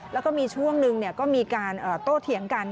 แล้วก็มีช่วงหนึ่งก็มีการโต้เถียงกัน